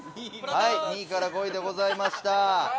２位から５位でございました。